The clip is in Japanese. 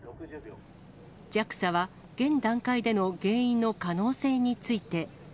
ＪＡＸＡは現段階での原因の可能性について。